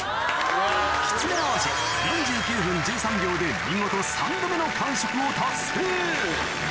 きつね・淡路４９分１３秒で見事３度目の完食を達成！